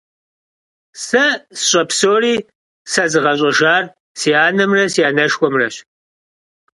Сэ сщӀэ псори сэзыгъэщӀэжар си анэмрэ, си анэшхуэмрэщ.